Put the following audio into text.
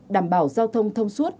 đảm bảo giao thông thông suốt